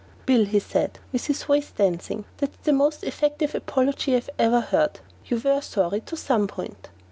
"Bill," he said, with his voice dancing, "that's the most effective apology I ever heard. You were sorry to some point."